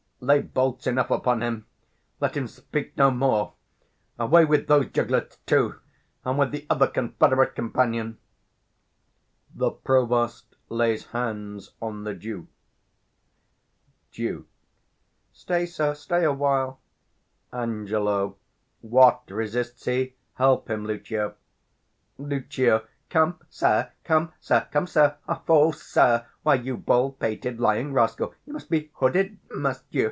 lay bolts enough upon him: let him speak no more. Away with those giglets too, and with the other 345 confederate companion! Duke. [To Provost] Stay, sir; stay awhile. Ang. What, resists he? Help him, Lucio. Lucio. Come, sir; come, sir; come, sir; foh, sir! Why, you bald pated, lying rascal, you must be hooded, 350 must you?